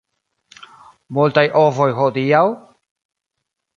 Multaj ovoj hodiaŭ?